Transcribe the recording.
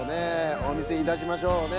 おみせいたしましょうね。